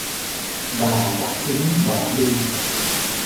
Bà đã tính bỏ đi